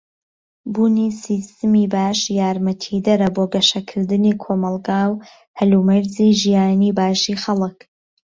بوونی سیستەمی باش یارمەتیدەرە بۆ گەشەکردنی کۆمەلگا و هەلومەرجی ژیانی باشی خەلك.